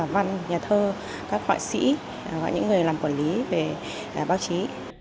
các nhà văn nhà thơ các họa sĩ và những người làm quản lý về báo chí